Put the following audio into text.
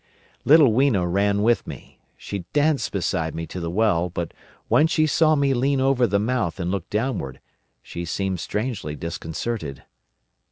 "Little Weena ran with me. She danced beside me to the well, but when she saw me lean over the mouth and look downward, she seemed strangely disconcerted.